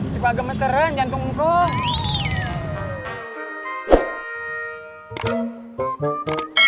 suka gemeteran jantung ngkong